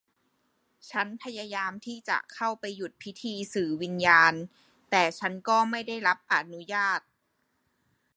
ฉันพยายามที่จะเข้าไปหยุดพิธีสื่อวิญญาณ แต่ฉันก็ไม่ได้รับอนุญาต